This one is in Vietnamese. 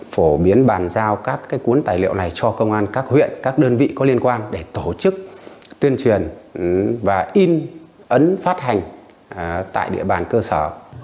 phổ biến bàn giao các cuốn tài liệu này cho công an các huyện các đơn vị có liên quan để tổ chức tuyên truyền và in ấn phát hành tại địa bàn cơ sở